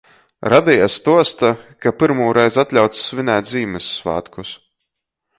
Radeja stuosta, ka pyrmūreiz atļauts svinēt Zīmyssvātkus.